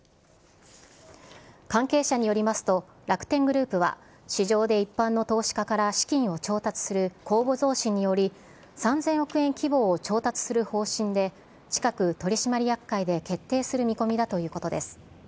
関係者によりますと、楽天グループは、市場で一般の投資家から資金を調達する公募増資により、３０００億円規模を調達する方針で、近く、取締役会で決定する見込みだということです。